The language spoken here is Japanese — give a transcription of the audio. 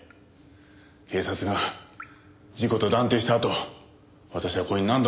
警察が事故と断定したあと私はここに何度も足を運んだ。